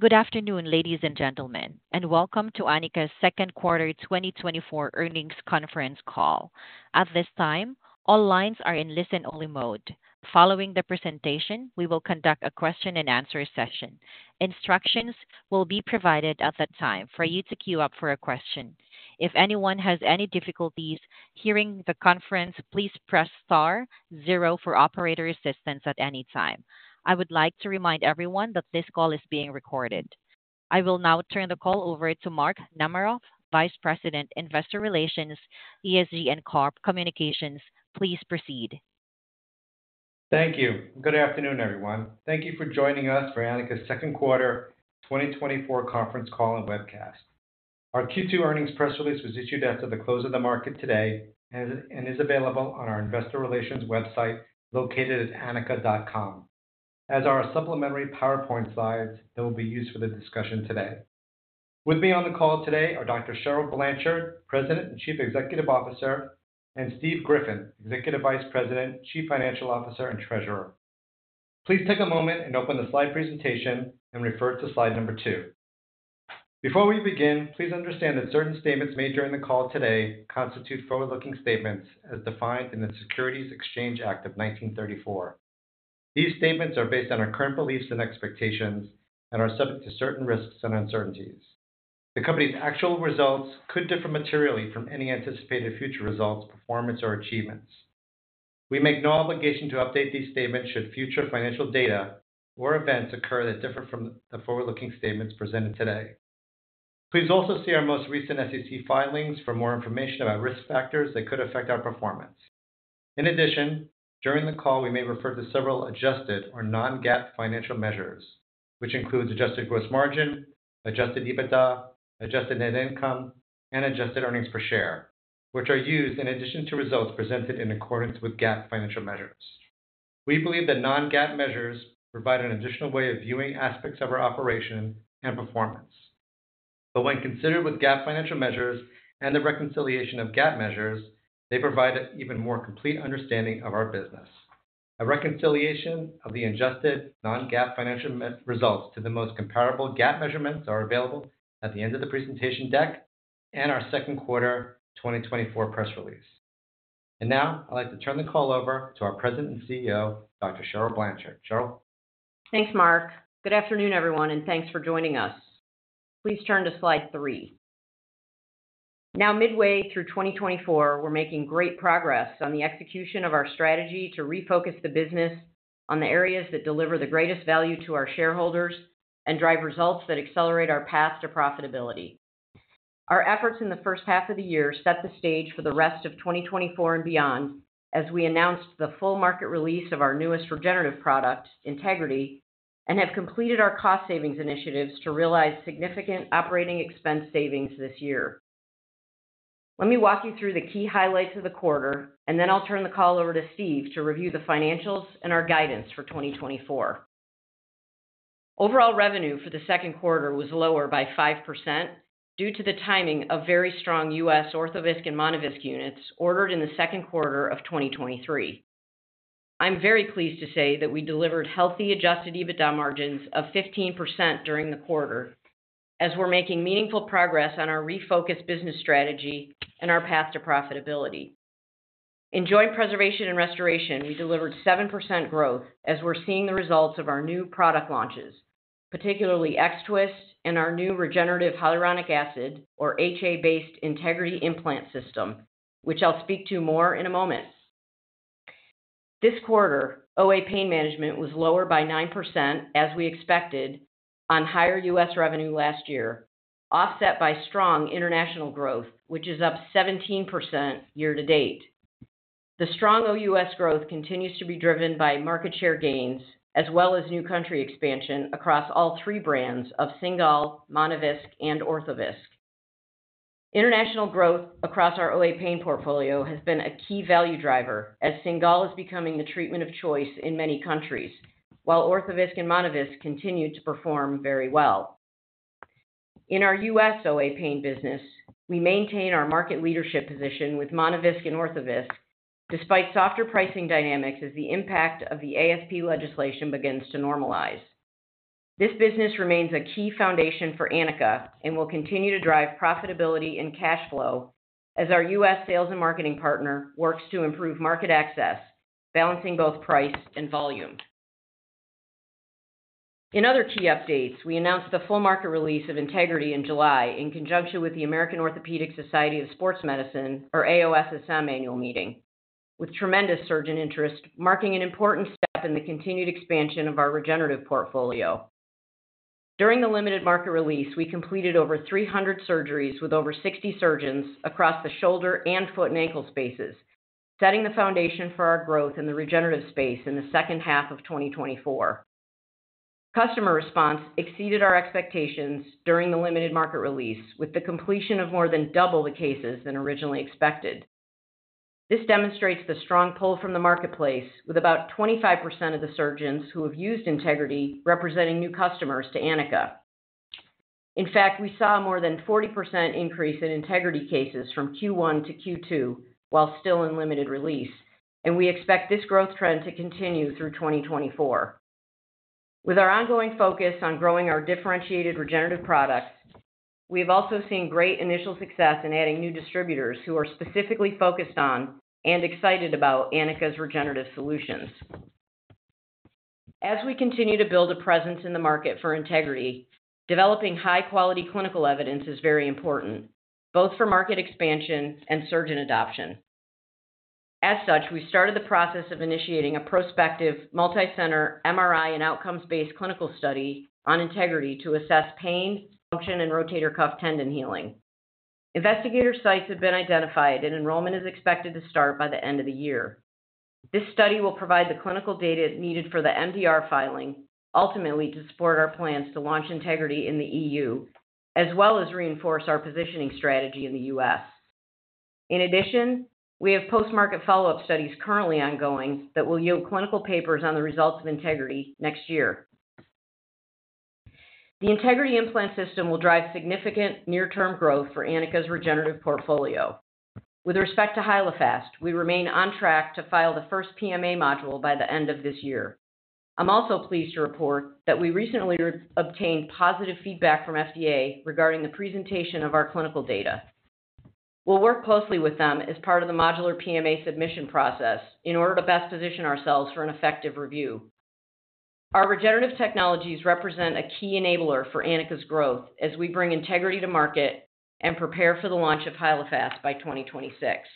Good afternoon, ladies and gentlemen, and welcome to Anika's second quarter 2024 earnings conference call. At this time, all lines are in listen-only mode. Following the presentation, we will conduct a question-and-answer session. Instructions will be provided at that time for you to queue up for a question. If anyone has any difficulties hearing the conference, please press star zero for operator assistance at any time. I would like to remind everyone that this call is being recorded. I will now turn the call over to Mark Namaroff, Vice President, Investor Relations, ESG, and Corp Communications. Please proceed. Thank you. Good afternoon, everyone. Thank you for joining us for Anika's second quarter 2024 conference call and webcast. Our Q2 earnings press release was issued after the close of the market today and is available on our investor relations website, located at anika.com, as are our supplementary PowerPoint slides that will be used for the discussion today. With me on the call today are Dr. Cheryl Blanchard, President and Chief Executive Officer, and Steve Griffin, Executive Vice President, Chief Financial Officer, and Treasurer. Please take a moment and open the slide presentation and refer to slide number 2. Before we begin, please understand that certain statements made during the call today constitute forward-looking statements as defined in the Securities Exchange Act of 1934. These statements are based on our current beliefs and expectations and are subject to certain risks and uncertainties. The company's actual results could differ materially from any anticipated future results, performance, or achievements. We make no obligation to update these statements should future financial data or events occur that differ from the forward-looking statements presented today. Please also see our most recent SEC filings for more information about risk factors that could affect our performance. In addition, during the call, we may refer to several adjusted or non-GAAP financial measures, which includes Adjusted gross margin, Adjusted EBITDA, Adjusted net income, and Adjusted earnings per share, which are used in addition to results presented in accordance with GAAP financial measures. We believe that non-GAAP measures provide an additional way of viewing aspects of our operation and performance. But when considered with GAAP financial measures and the reconciliation of GAAP measures, they provide an even more complete understanding of our business. A reconciliation of the adjusted non-GAAP financial measures to the most comparable GAAP measures is available at the end of the presentation deck and our second quarter 2024 press release. Now, I'd like to turn the call over to our President and CEO, Dr. Cheryl Blanchard. Cheryl? Thanks, Mark. Good afternoon, everyone, and thanks for joining us. Please turn to slide 3. Now, midway through 2024, we're making great progress on the execution of our strategy to refocus the business on the areas that deliver the greatest value to our shareholders and drive results that accelerate our path to profitability. Our efforts in the first half of the year set the stage for the rest of 2024 and beyond, as we announced the full market release of our newest regenerative product, Integrity, and have completed our cost savings initiatives to realize significant operating expense savings this year. Let me walk you through the key highlights of the quarter, and then I'll turn the call over to Steve to review the financials and our guidance for 2024. Overall revenue for the second quarter was lower by 5% due to the timing of very strong U.S. Orthovisc and Monovisc units ordered in the second quarter of 2023. I'm very pleased to say that we delivered healthy Adjusted EBITDA margins of 15% during the quarter, as we're making meaningful progress on our refocused business strategy and our path to profitability. In joint preservation and restoration, we delivered 7% growth as we're seeing the results of our new product launches, particularly X-Twist and our new regenerative hyaluronic acid, or HA-based Integrity Implant System, which I'll speak to more in a moment. This quarter, OA Pain Management was lower by 9%, as we expected, on higher U.S. revenue last year, offset by strong international growth, which is up 17% year to date. The strong OUS growth continues to be driven by market share gains, as well as new country expansion across all three brands of Cingal, Monovisc, and Orthovisc. International growth across our OA Pain portfolio has been a key value driver, as Cingal is becoming the treatment of choice in many countries, while Orthovisc and Monovisc continue to perform very well. In our U.S. OA Pain business, we maintain our market leadership position with Monovisc and Orthovisc, despite softer pricing dynamics, as the impact of the ASP legislation begins to normalize. This business remains a key foundation for Anika and will continue to drive profitability and cash flow as our U.S. sales and marketing partner works to improve market access, balancing both price and volume. In other key updates, we announced the full market release of Integrity in July in conjunction with the American Orthopaedic Society of Sports Medicine, or AOSSM, annual meeting, with tremendous surgeon interest, marking an important step in the continued expansion of our regenerative portfolio. During the limited market release, we completed over 300 surgeries with over 60 surgeons across the shoulder and foot and ankle spaces, setting the foundation for our growth in the regenerative space in the second half of 2024. Customer response exceeded our expectations during the limited market release, with the completion of more than double the cases than originally expected. This demonstrates the strong pull from the marketplace, with about 25% of the surgeons who have used Integrity representing new customers to Anika. In fact, we saw more than 40% increase in Integrity cases from Q1 to Q2, while still in limited release, and we expect this growth trend to continue through 2024. With our ongoing focus on growing our differentiated regenerative products, we've also seen great initial success in adding new distributors who are specifically focused on and excited about Anika's regenerative solutions. As we continue to build a presence in the market for Integrity, developing high-quality clinical evidence is very important, both for market expansion and surgeon adoption. As such, we started the process of initiating a prospective multicenter MRI and outcomes-based clinical study on Integrity to assess pain, function, and rotator cuff tendon healing. Investigator sites have been identified, and enrollment is expected to start by the end of the year. This study will provide the clinical data needed for the MDR filing, ultimately to support our plans to launch Integrity in the EU, as well as reinforce our positioning strategy in the US. In addition, we have post-market follow-up studies currently ongoing that will yield clinical papers on the results of Integrity next year. The Integrity Implant System will drive significant near-term growth for Anika's regenerative portfolio. With respect to Hyalofast, we remain on track to file the first PMA module by the end of this year. I'm also pleased to report that we recently obtained positive feedback from FDA regarding the presentation of our clinical data. We'll work closely with them as part of the modular PMA submission process in order to best position ourselves for an effective review. Our regenerative technologies represent a key enabler for Anika's growth as we bring Integrity to market and prepare for the launch of Hyalofast by 2026.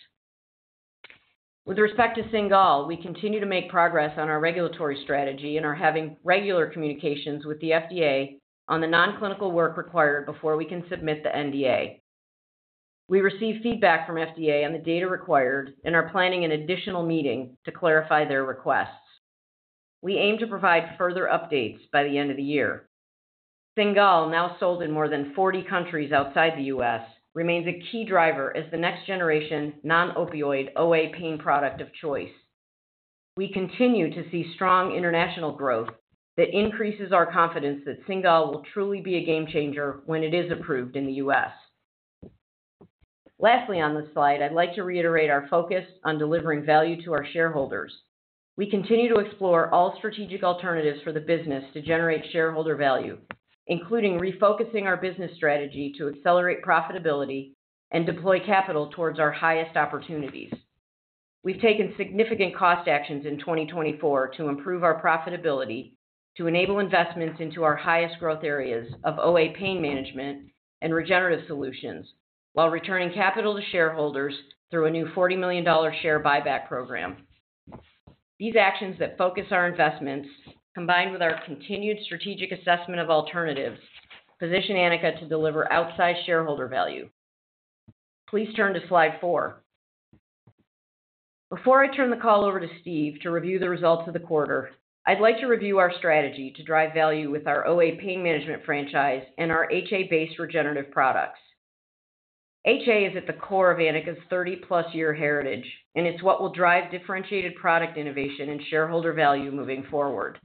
With respect to Cingal, we continue to make progress on our regulatory strategy and are having regular communications with the FDA on the nonclinical work required before we can submit the NDA. We received feedback from FDA on the data required and are planning an additional meeting to clarify their requests. We aim to provide further updates by the end of the year. Cingal, now sold in more than 40 countries outside the U.S., remains a key driver as the next generation non-opioid OA pain product of choice. We continue to see strong international growth that increases our confidence that Cingal will truly be a game changer when it is approved in the U.S. Lastly, on this slide, I'd like to reiterate our focus on delivering value to our shareholders. We continue to explore all strategic alternatives for the business to generate shareholder value, including refocusing our business strategy to accelerate profitability and deploy capital towards our highest opportunities. We've taken significant cost actions in 2024 to improve our profitability, to enable investments into our highest growth areas of OA pain management and regenerative solutions, while returning capital to shareholders through a new $40 million share buyback program. These actions that focus our investments, combined with our continued strategic assessment of alternatives, position Anika to deliver outsized shareholder value. Please turn to slide 4. Before I turn the call over to Steve to review the results of the quarter, I'd like to review our strategy to drive value with our OA pain management franchise and our HA-based regenerative products. HA is at the core of Anika's 30+-year heritage, and it's what will drive differentiated product innovation and shareholder value moving forward.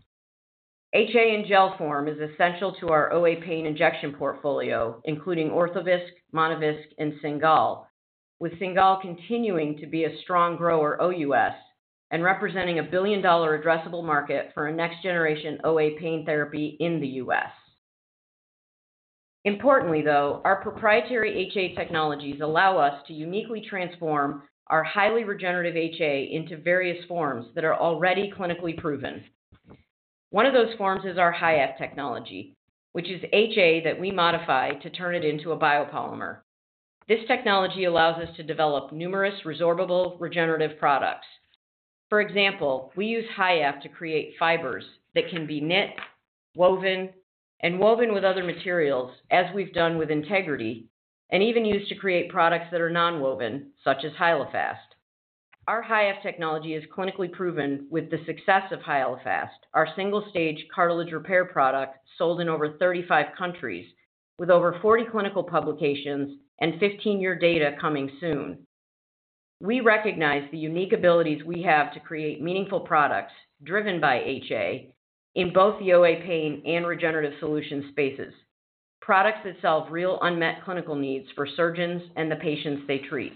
HA in gel form is essential to our OA pain injection portfolio, including Orthovisc, Monovisc, and Cingal, with Cingal continuing to be a strong grower OUS and representing a billion-dollar addressable market for a next-generation OA pain therapy in the US. Importantly, though, our proprietary HA technologies allow us to uniquely transform our highly regenerative HA into various forms that are already clinically proven. One of those forms is our HYAFF technology, which is HA that we modify to turn it into a biopolymer. This technology allows us to develop numerous resorbable regenerative products. For example, we use HYAFF to create fibers that can be knit, woven, and woven with other materials, as we've done with Integrity, and even used to create products that are nonwoven, such as Hyalofast. Our HYAFF technology is clinically proven with the success of Hyalofast, our single-stage cartilage repair product sold in over 35 countries, with over 40 clinical publications and 15-year data coming soon. We recognize the unique abilities we have to create meaningful products driven by HA in both the OA pain and regenerative solution spaces, products that solve real unmet clinical needs for surgeons and the patients they treat.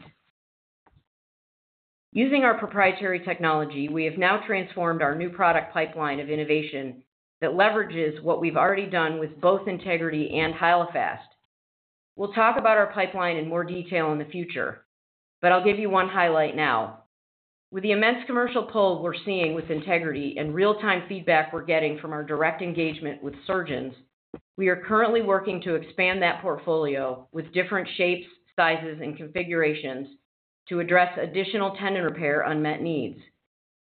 Using our proprietary technology, we have now transformed our new product pipeline of innovation that leverages what we've already done with both Integrity and Hyalofast. We'll talk about our pipeline in more detail in the future, but I'll give you one highlight now. With the immense commercial pull we're seeing with Integrity and real-time feedback we're getting from our direct engagement with surgeons, we are currently working to expand that portfolio with different shapes, sizes, and configurations to address additional tendon repair unmet needs.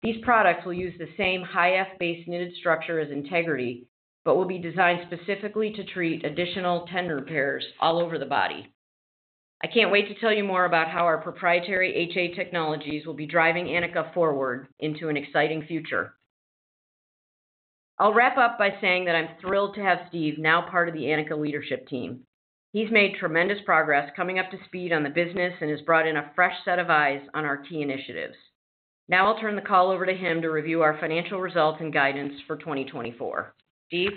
These products will use the same HYAFF-based knitted structure as Integrity, but will be designed specifically to treat additional tendon repairs all over the body. I can't wait to tell you more about how our proprietary HA technologies will be driving Anika forward into an exciting future. I'll wrap up by saying that I'm thrilled to have Steve now part of the Anika leadership team. He's made tremendous progress coming up to speed on the business and has brought in a fresh set of eyes on our key initiatives. Now I'll turn the call over to him to review our financial results and guidance for 2024. Steve?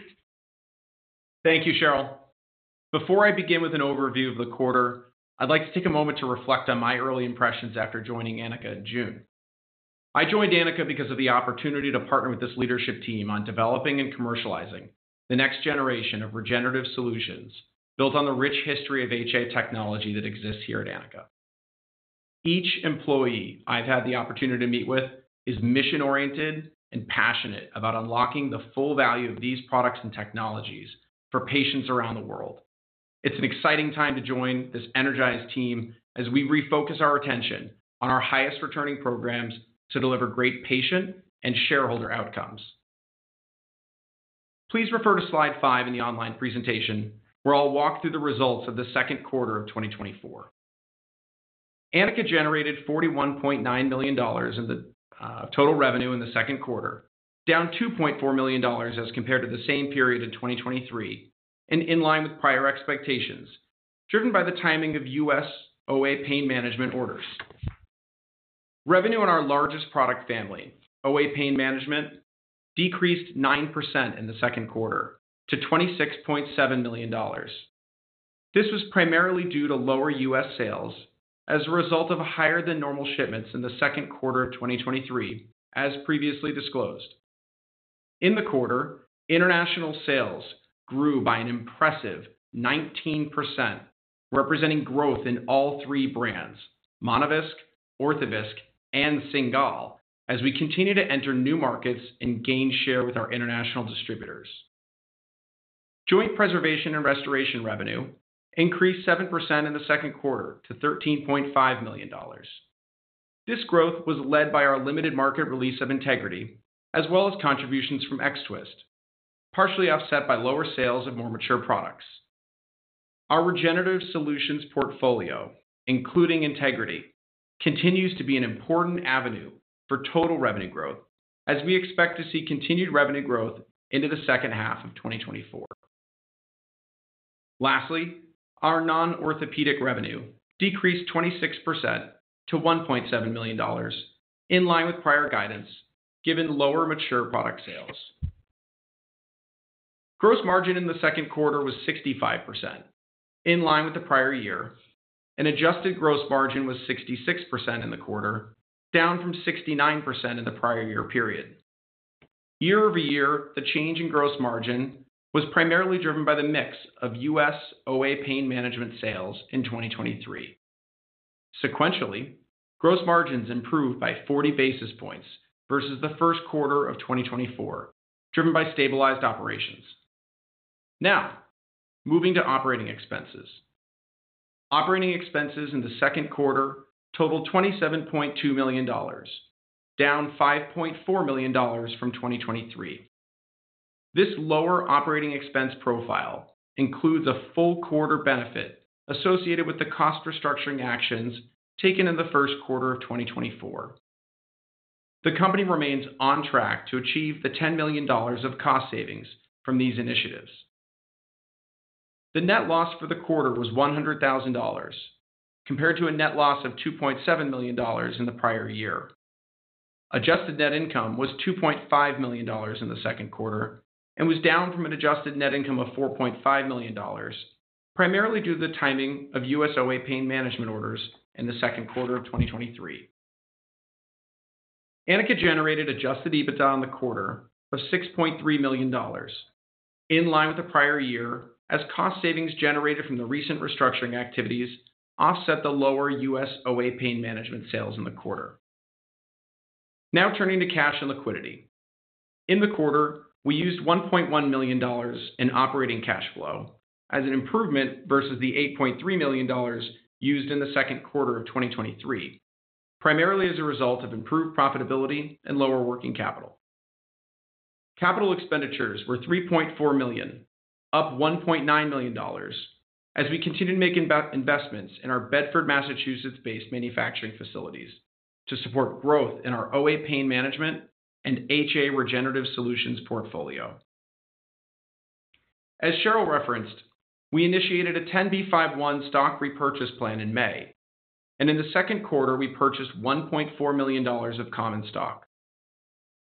Thank you, Cheryl. Before I begin with an overview of the quarter, I'd like to take a moment to reflect on my early impressions after joining Anika in June. I joined Anika because of the opportunity to partner with this leadership team on developing and commercializing the next generation of regenerative solutions, built on the rich history of HA technology that exists here at Anika. Each employee I've had the opportunity to meet with is mission-oriented and passionate about unlocking the full value of these products and technologies for patients around the world. It's an exciting time to join this energized team as we refocus our attention on our highest returning programs to deliver great patient and shareholder outcomes. Please refer to slide 5 in the online presentation, where I'll walk through the results of the second quarter of 2024. Anika generated $41.9 million in total revenue in the second quarter, down $2.4 million as compared to the same period in 2023, and in line with prior expectations, driven by the timing of US OA Pain Management orders. Revenue in our largest product family, OA Pain Management, decreased 9% in the second quarter to $26.7 million. This was primarily due to lower US sales as a result of higher than normal shipments in the second quarter of 2023, as previously disclosed. In the quarter, international sales grew by an impressive 19%, representing growth in all three brands, Monovisc, Orthovisc, and Cingal, as we continue to enter new markets and gain share with our international distributors. Joint preservation and restoration revenue increased 7% in the second quarter to $13.5 million. This growth was led by our limited market release of Integrity, as well as contributions from X-Twist, partially offset by lower sales of more mature products. Our regenerative solutions portfolio, including Integrity, continues to be an important avenue for total revenue growth, as we expect to see continued revenue growth into the second half of 2024. Lastly, our non-orthopedic revenue decreased 26% to $1.7 million, in line with prior guidance, given lower mature product sales. Gross margin in the second quarter was 65%, in line with the prior year, and adjusted gross margin was 66% in the quarter, down from 69% in the prior year period. Year-over-year, the change in gross margin was primarily driven by the mix of US OA Pain Management sales in 2023. Sequentially, gross margins improved by 40 basis points versus the first quarter of 2024, driven by stabilized operations. Now, moving to operating expenses. Operating expenses in the second quarter totaled $27.2 million, down $5.4 million from 2023. This lower operating expense profile includes a full quarter benefit associated with the cost restructuring actions taken in the first quarter of 2024. The company remains on track to achieve $10 million of cost savings from these initiatives. The net loss for the quarter was $100,000, compared to a net loss of $2.7 million in the prior year. Adjusted net income was $2.5 million in the second quarter and was down from an adjusted net income of $4.5 million, primarily due to the timing of US OA Pain Management orders in the second quarter of 2023. Anika generated Adjusted EBITDA in the quarter of $6.3 million, in line with the prior year, as cost savings generated from the recent restructuring activities offset the lower US OA Pain Management sales in the quarter. Now turning to cash and liquidity. In the quarter, we used $1.1 million in operating cash flow as an improvement versus the $8.3 million used in the second quarter of 2023, primarily as a result of improved profitability and lower working capital. Capital expenditures were $3.4 million, up $1.9 million, as we continued to make investments in our Bedford, Massachusetts-based manufacturing facilities to support growth in our OA Pain Management and HA Regenerative Solutions portfolio. As Cheryl referenced, we initiated a 10b5-1 stock repurchase plan in May, and in the second quarter, we purchased $1.4 million of common stock.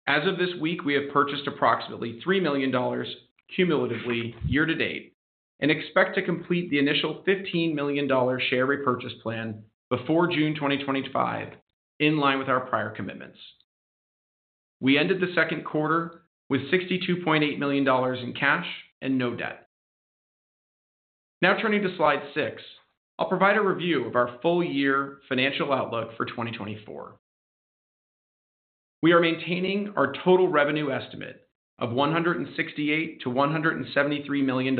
As of this week, we have purchased approximately $3 million cumulatively year to date, and expect to complete the initial $15 million share repurchase plan before June 2025, in line with our prior commitments. We ended the second quarter with $62.8 million in cash and no debt. Now, turning to Slide 6, I'll provide a review of our full year financial outlook for 2024. We are maintaining our total revenue estimate of $168 million-$173 million,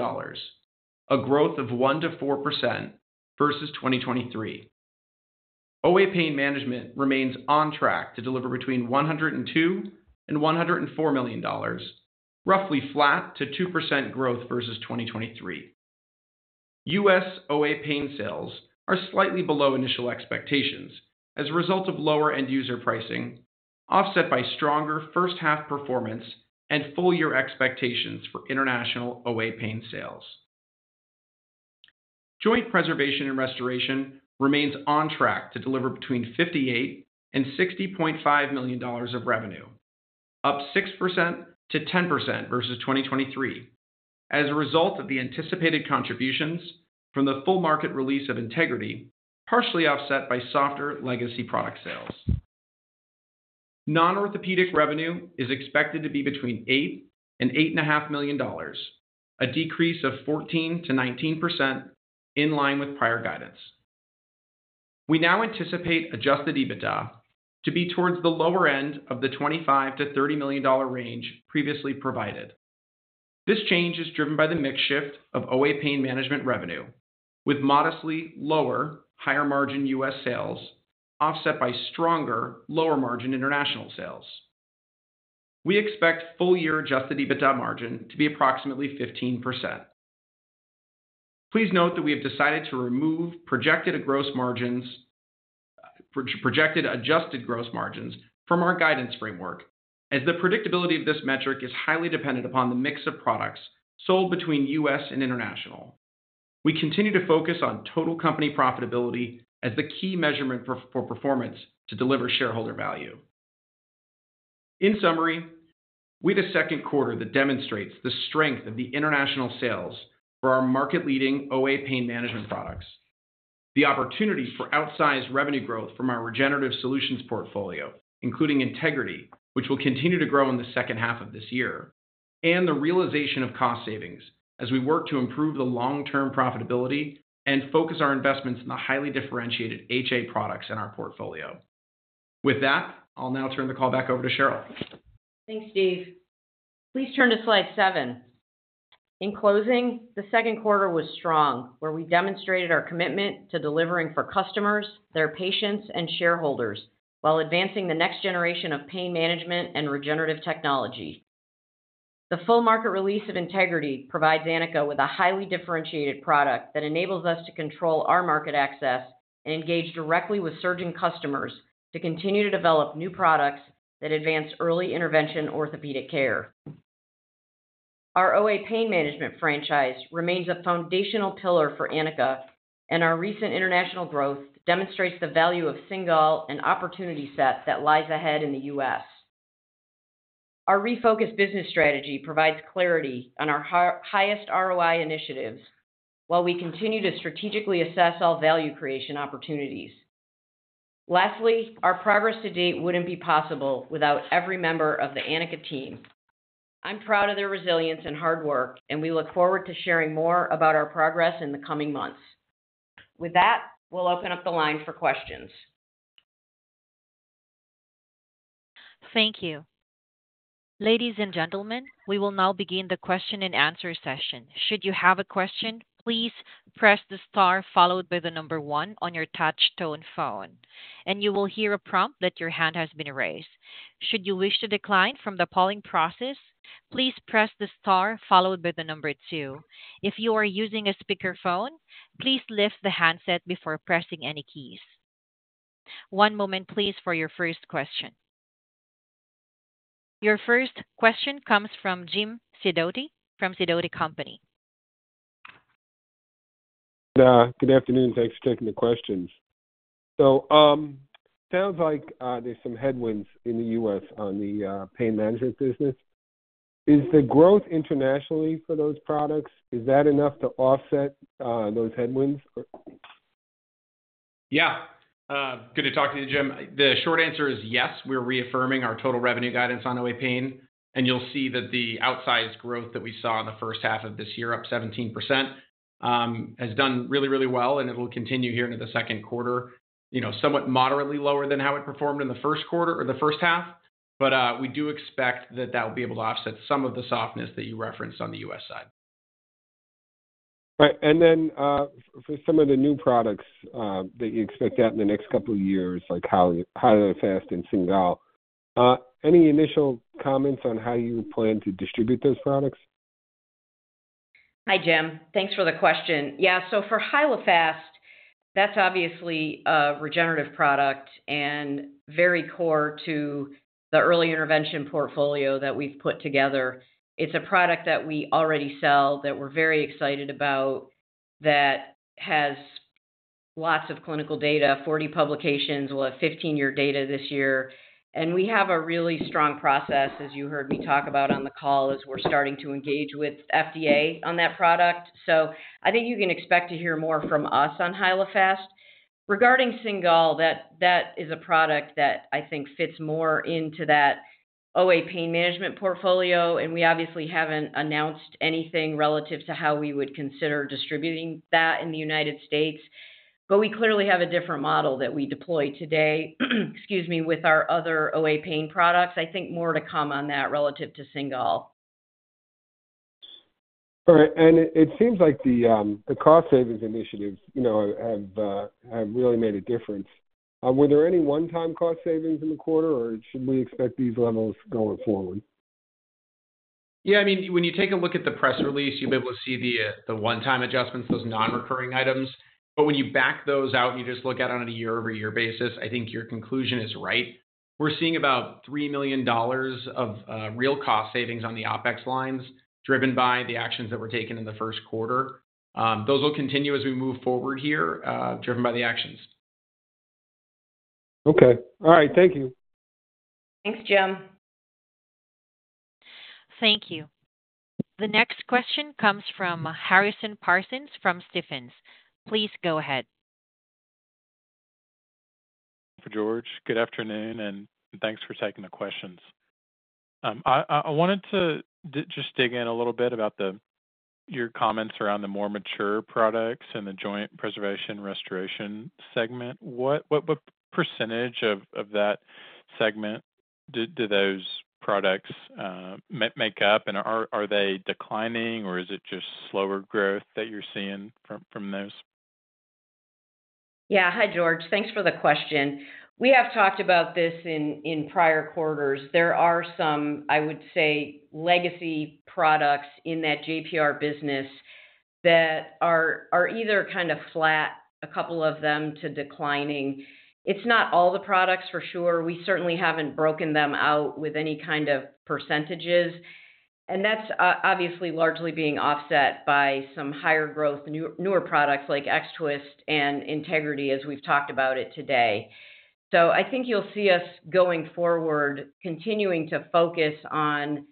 a growth of 1%-4% versus 2023. OA Pain Management remains on track to deliver between $102 million and $104 million, roughly flat to 2% growth versus 2023. U.S. OA Pain sales are slightly below initial expectations as a result of lower end user pricing, offset by stronger first half performance and full year expectations for international OA Pain sales.... Joint Preservation and Restoration remains on track to deliver between $58 million and $60.5 million of revenue, up 6%-10% versus 2023. As a result of the anticipated contributions from the full market release of Integrity, partially offset by softer legacy product sales. Non-orthopedic revenue is expected to be between $8 million and $8.5 million, a decrease of 14%-19%, in line with prior guidance. We now anticipate Adjusted EBITDA to be towards the lower end of the $25 million-$30 million range previously provided. This change is driven by the mix shift of OA Pain Management revenue, with modestly lower, higher margin US sales, offset by stronger, lower margin international sales. We expect full-year Adjusted EBITDA margin to be approximately 15%. Please note that we have decided to remove projected adjusted gross margins from our guidance framework, as the predictability of this metric is highly dependent upon the mix of products sold between US and international. We continue to focus on total company profitability as the key measurement for performance to deliver shareholder value. In summary, we had a second quarter that demonstrates the strength of the international sales for our market-leading OA Pain Management products. The opportunity for outsized revenue growth from our regenerative solutions portfolio, including Integrity, which will continue to grow in the second half of this year, and the realization of cost savings as we work to improve the long-term profitability and focus our investments in the highly differentiated HA products in our portfolio. With that, I'll now turn the call back over to Cheryl. Thanks, Steve. Please turn to slide seven. In closing, the second quarter was strong, where we demonstrated our commitment to delivering for customers, their patients, and shareholders, while advancing the next generation of pain management and regenerative technology. The full market release of Integrity provides Anika with a highly differentiated product that enables us to control our market access and engage directly with surgeon customers to continue to develop new products that advance early intervention orthopedic care. Our OA Pain Management franchise remains a foundational pillar for Anika, and our recent international growth demonstrates the value of Cingal and opportunity set that lies ahead in the U.S. Our refocused business strategy provides clarity on our highest ROI initiatives, while we continue to strategically assess all value creation opportunities. Lastly, our progress to date wouldn't be possible without every member of the Anika team. I'm proud of their resilience and hard work, and we look forward to sharing more about our progress in the coming months. With that, we'll open up the line for questions. Thank you. Ladies and gentlemen, we will now begin the question and answer session. Should you have a question, please press the star followed by the number one on your touch tone phone, and you will hear a prompt that your hand has been raised. Should you wish to decline from the polling process, please press the star followed by the number two. If you are using a speakerphone, please lift the handset before pressing any keys. One moment, please, for your first question. Your first question comes from Jim Sidoti, from Sidoti & Company. Good afternoon. Thanks for taking the questions. So, sounds like, there's some headwinds in the U.S. on the pain management business. Is the growth internationally for those products, is that enough to offset those headwinds or? Yeah. Good to talk to you, Jim. The short answer is yes, we're reaffirming our total revenue guidance on OA Pain, and you'll see that the outsized growth that we saw in the first half of this year, up 17%, has done really, really well, and it will continue here into the second quarter. You know, somewhat moderately lower than how it performed in the first quarter or the first half, but we do expect that that will be able to offset some of the softness that you referenced on the U.S. side. Right. And then, for some of the new products, that you expect out in the next couple of years, like Hyalofast and Cingal, any initial comments on how you plan to distribute those products? Hi, Jim. Thanks for the question. Yeah, so for Hyalofast, that's obviously a regenerative product and very core to the early intervention portfolio that we've put together. It's a product that we already sell, that we're very excited about, that has lots of clinical data, 40 publications. We'll have 15-year data this year, and we have a really strong process, as you heard me talk about on the call, as we're starting to engage with FDA on that product. So I think you can expect to hear more from us on Hyalofast. Regarding Cingal, that, that is a product that I think fits more into that OA Pain Management portfolio, and we obviously haven't announced anything relative to how we would consider distributing that in the United States, but we clearly have a different model that we deploy today, excuse me, with our other OA Pain products. I think more to come on that relative to Cingal. All right, and it seems like the cost savings initiatives, you know, have really made a difference. Were there any one-time cost savings in the quarter, or should we expect these levels going forward? Yeah, I mean, when you take a look at the press release, you'll be able to see the one-time adjustments, those non-recurring items. But when you back those out and you just look at it on a year-over-year basis, I think your conclusion is right. We're seeing about $3 million of real cost savings on the OpEx lines, driven by the actions that were taken in the first quarter. Those will continue as we move forward here, driven by the actions. Okay. All right, thank you. Thanks, Jim. Thank you. The next question comes from Harrison Parsons from Stephens. Please go ahead. For George. Good afternoon, and thanks for taking the questions. I wanted to just dig in a little bit about your comments around the more mature products and the joint preservation restoration segment. What percentage of that segment do those products make up? And are they declining, or is it just slower growth that you're seeing from those? Yeah. Hi, George. Thanks for the question. We have talked about this in prior quarters. There are some, I would say, legacy products in that JPR business that are either kind of flat, a couple of them, to declining. It's not all the products for sure. We certainly haven't broken them out with any kind of percentages, and that's obviously largely being offset by some higher growth, newer products like X-Twist and Integrity, as we've talked about it today. So I think you'll see us going forward, continuing to focus on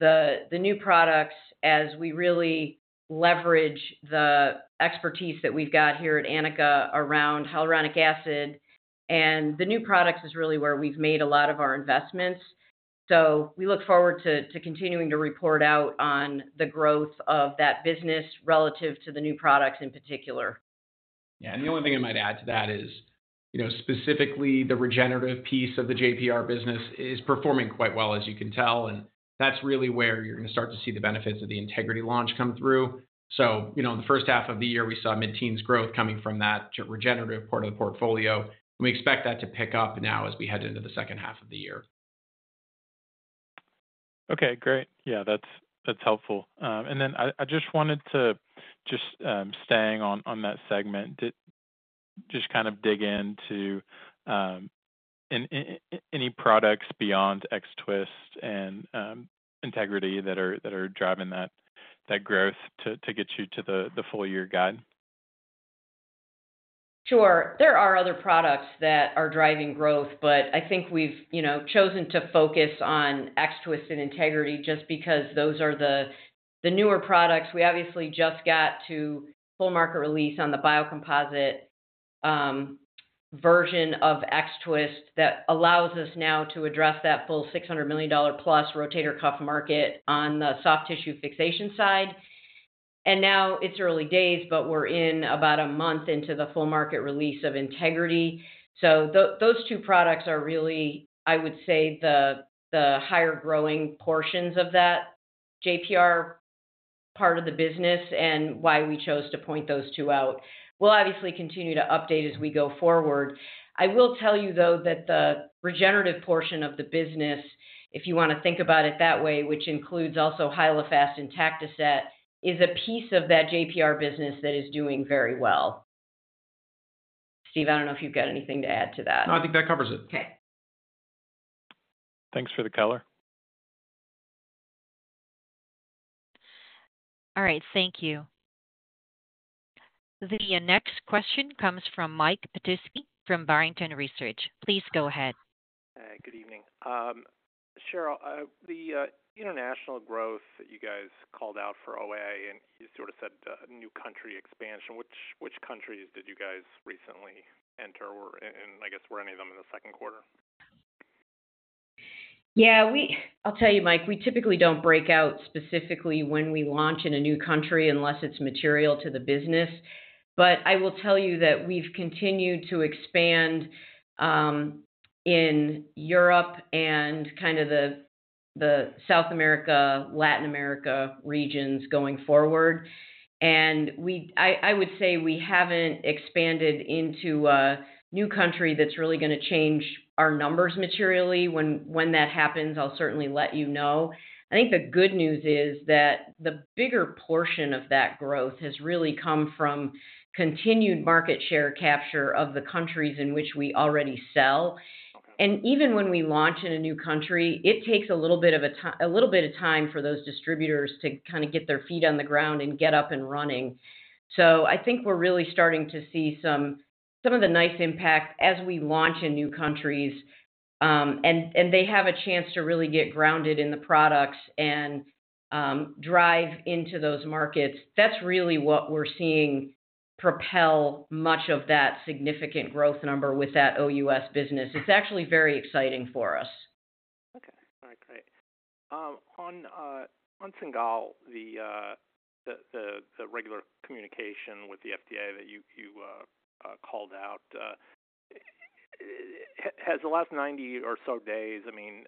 the new products as we really leverage the expertise that we've got here at Anika around hyaluronic acid. And the new products is really where we've made a lot of our investments. So we look forward to continuing to report out on the growth of that business relative to the new products in particular. Yeah, and the only thing I might add to that is, you know, specifically, the regenerative piece of the JPR business is performing quite well, as you can tell, and that's really where you're gonna start to see the benefits of the Integrity launch come through. So, you know, in the first half of the year, we saw mid-teens growth coming from that regenerative part of the portfolio. We expect that to pick up now as we head into the second half of the year. Okay, great. Yeah, that's helpful. And then I just wanted to just staying on that segment, just kind of dig into any products beyond X-Twist and Integrity that are driving that growth to get you to the full-year guide? Sure. There are other products that are driving growth, but I think we've, you know, chosen to focus on X-Twist and Integrity just because those are the, the newer products. We obviously just got to full market release on the biocomposite version of X-Twist that allows us now to address that full $600 million+ rotator cuff market on the soft tissue fixation side. And now it's early days, but we're in about a month into the full market release of Integrity. So those two products are really, I would say, the, the higher growing portions of that JPR part of the business and why we chose to point those two out. We'll obviously continue to update as we go forward. I will tell you, though, that the regenerative portion of the business, if you want to think about it that way, which includes also Hyalofast and Tactoset, is a piece of that JPR business that is doing very well. Steve, I don't know if you've got anything to add to that. No, I think that covers it. Okay. Thanks for the color. All right. Thank you. The next question comes from Mike Petusky from Barrington Research. Please go ahead. Good evening. Cheryl, the international growth that you guys called out for OA, and you sort of said new country expansion, which countries did you guys recently enter, or, and I guess were any of them in the second quarter? Yeah, I'll tell you, Mike, we typically don't break out specifically when we launch in a new country unless it's material to the business. But I will tell you that we've continued to expand in Europe and kind of the South America, Latin America regions going forward. And I would say we haven't expanded into a new country that's really gonna change our numbers materially. When that happens, I'll certainly let you know. I think the good news is that the bigger portion of that growth has really come from continued market share capture of the countries in which we already sell. Okay. Even when we launch in a new country, it takes a little bit of time for those distributors to kind of get their feet on the ground and get up and running. I think we're really starting to see some of the nice impact as we launch in new countries, and they have a chance to really get grounded in the products and drive into those markets. That's really what we're seeing propel much of that significant growth number with that OUS business. It's actually very exciting for us. Okay. All right, great. On Cingal, the regular communication with the FDA that you called out has the last 90 or so days... I mean,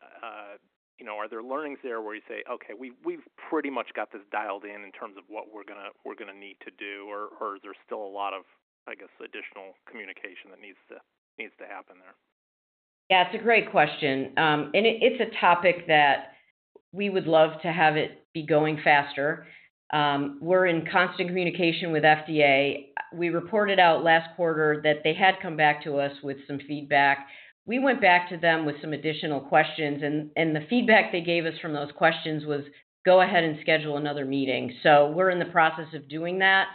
you know, are there learnings there where you say, "Okay, we've pretty much got this dialed in in terms of what we're gonna need to do," or is there still a lot of, I guess, additional communication that needs to happen there? Yeah, it's a great question. We would love to have it be going faster. We're in constant communication with FDA. We reported out last quarter that they had come back to us with some feedback. We went back to them with some additional questions, and the feedback they gave us from those questions was, "Go ahead and schedule another meeting." So we're in the process of doing that,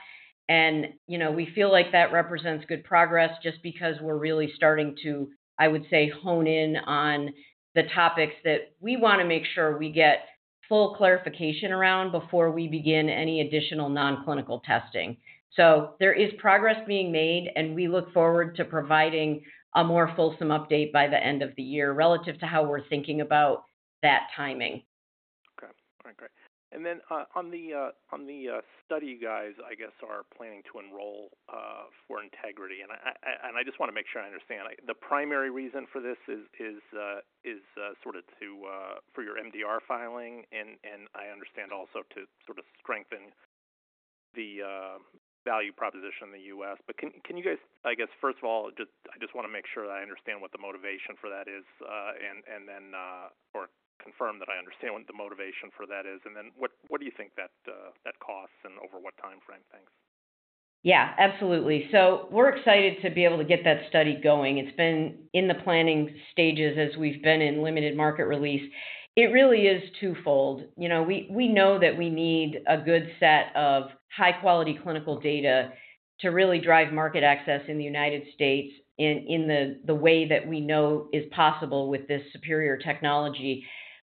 and, you know, we feel like that represents good progress just because we're really starting to, I would say, hone in on the topics that we wanna make sure we get full clarification around before we begin any additional non-clinical testing. So there is progress being made, and we look forward to providing a more fulsome update by the end of the year relative to how we're thinking about that timing. Okay. All right, great. And then, on the study, you guys, I guess, are planning to enroll for Integrity. And I just wanna make sure I understand. The primary reason for this is sort of to for your MDR filing, and I understand also to sort of strengthen the value proposition in the U.S. But can you guys—I guess, first of all, just, I just wanna make sure that I understand what the motivation for that is, and then or confirm that I understand what the motivation for that is, and then what do you think that costs and over what timeframe? Thanks. Yeah, absolutely. So we're excited to be able to get that study going. It's been in the planning stages as we've been in limited market release. It really is twofold. You know, we know that we need a good set of high-quality clinical data to really drive market access in the United States in the way that we know is possible with this superior technology.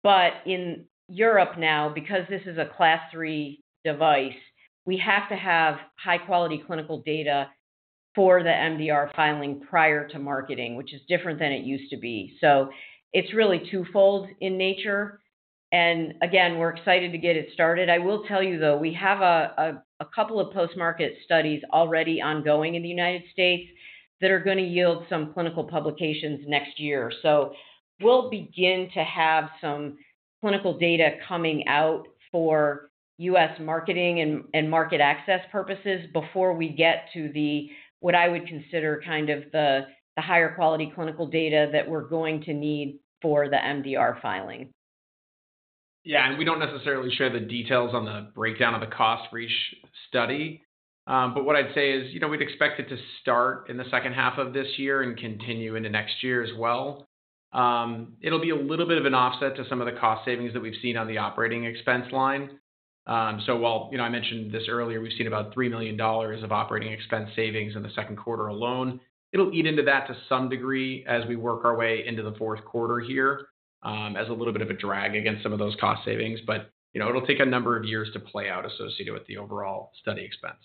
But in Europe now, because this is a Class Three device, we have to have high-quality clinical data for the MDR filing prior to marketing, which is different than it used to be. So it's really twofold in nature, and again, we're excited to get it started. I will tell you, though, we have a couple of post-market studies already ongoing in the United States that are gonna yield some clinical publications next year. So we'll begin to have some clinical data coming out for U.S. marketing and market access purposes before we get to the, what I would consider, kind of the higher quality clinical data that we're going to need for the MDR filing. Yeah, and we don't necessarily share the details on the breakdown of the cost for each study. But what I'd say is, you know, we'd expect it to start in the second half of this year and continue into next year as well. It'll be a little bit of an offset to some of the cost savings that we've seen on the operating expense line. So while, you know, I mentioned this earlier, we've seen about $3 million of operating expense savings in the second quarter alone. It'll eat into that to some degree as we work our way into the fourth quarter here, as a little bit of a drag against some of those cost savings. But, you know, it'll take a number of years to play out associated with the overall study expense.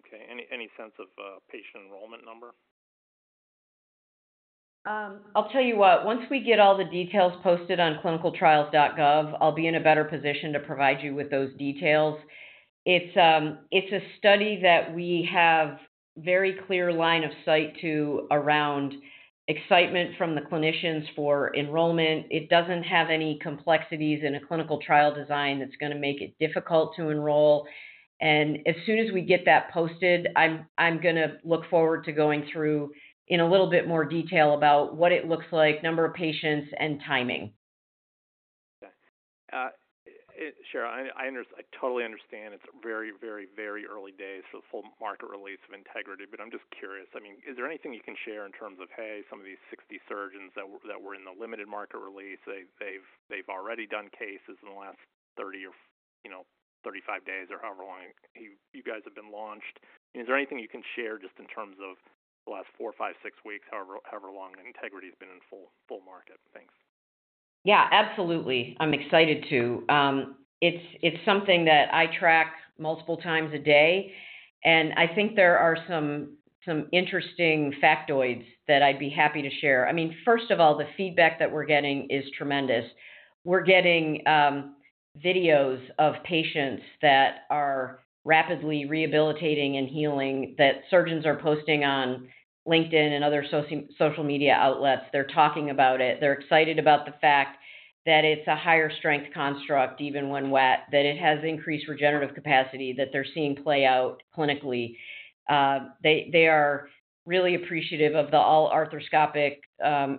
Okay. Any, any sense of patient enrollment number? I'll tell you what, once we get all the details posted on clinicaltrials.gov, I'll be in a better position to provide you with those details. It's, it's a study that we have very clear line of sight to around excitement from the clinicians for enrollment. It doesn't have any complexities in a clinical trial design that's gonna make it difficult to enroll. And as soon as we get that posted, I'm gonna look forward to going through in a little bit more detail about what it looks like, number of patients, and timing. Okay. Cheryl, I understand it's very, very, very early days for the full market release of Integrity, but I'm just curious. I mean, is there anything you can share in terms of, hey, some of these 60 surgeons that were in the limited market release, they've already done cases in the last 30 or, you know, 35 days or however long you guys have been launched? Is there anything you can share just in terms of the last four, five, six weeks, however long Integrity has been in full market? Thanks. Yeah, absolutely. I'm excited to. It's something that I track multiple times a day, and I think there are some interesting factoids that I'd be happy to share. I mean, first of all, the feedback that we're getting is tremendous. We're getting videos of patients that are rapidly rehabilitating and healing, that surgeons are posting on LinkedIn and other social media outlets. They're talking about it. They're excited about the fact that it's a higher strength construct, even when wet, that it has increased regenerative capacity that they're seeing play out clinically. They are really appreciative of the all-arthroscopic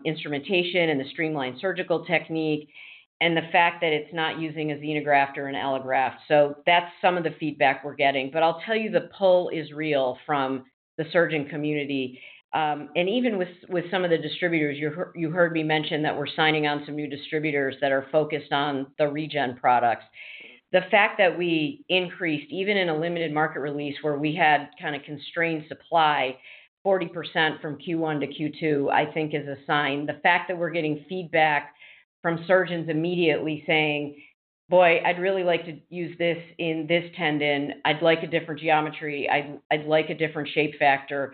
instrumentation and the streamlined surgical technique, and the fact that it's not using a xenograft or an allograft. So that's some of the feedback we're getting. But I'll tell you, the pull is real from the surgeon community. And even with, with some of the distributors, you heard me mention that we're signing on some new distributors that are focused on the regen products. The fact that we increased, even in a limited market release where we had kinda constrained supply, 40% from Q1 to Q2, I think is a sign. The fact that we're getting feedback from surgeons immediately saying: "Boy, I'd really like to use this in this tendon. I'd like a different geometry. I'd, I'd like a different shape factor."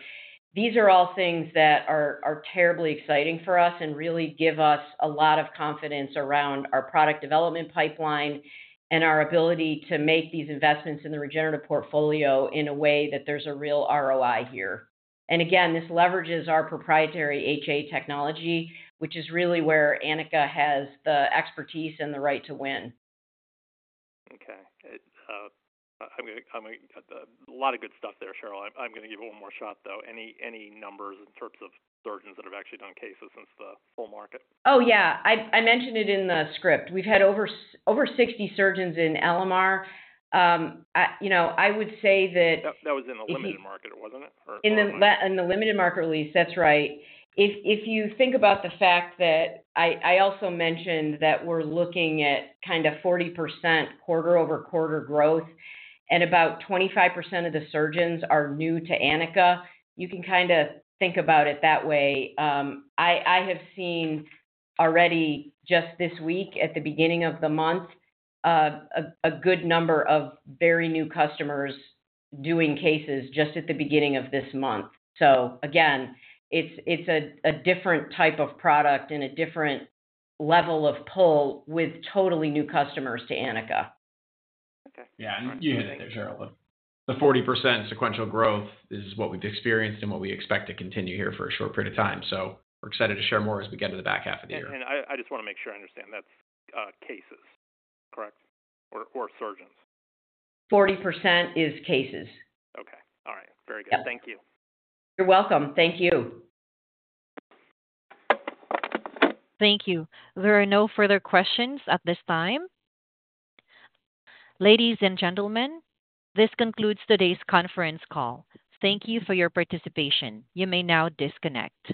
These are all things that are, are terribly exciting for us and really give us a lot of confidence around our product development pipeline and our ability to make these investments in the regenerative portfolio in a way that there's a real ROI here. And again, this leverages our proprietary HA technology, which is really where Anika has the expertise and the right to win. Okay. I'm gonna a lot of good stuff there, Cheryl. I'm gonna give it one more shot, though. Any numbers in terms of surgeons that have actually done cases since the full market? Oh, yeah. I mentioned it in the script. We've had over 60 surgeons in LMR. You know, I would say that- That was in the limited market, wasn't it? Or- In the limited market release. That's right. If you think about the fact that I also mentioned that we're looking at kinda 40% quarter-over-quarter growth and about 25% of the surgeons are new to Anika, you can kinda think about it that way. I have seen already just this week, at the beginning of the month, a good number of very new customers doing cases just at the beginning of this month. So again, it's a different type of product and a different level of pull with totally new customers to Anika. Okay. Yeah, and you heard it there, Cheryl. The 40% sequential growth is what we've experienced and what we expect to continue here for a short period of time. So we're excited to share more as we get to the back half of the year. I just wanna make sure I understand. That's cases, correct? Or surgeons? 40% is cases. Okay. All right. Very good. Yeah. Thank you. You're welcome. Thank you. Thank you. There are no further questions at this time. Ladies and gentlemen, this concludes today's conference call. Thank you for your participation. You may now disconnect.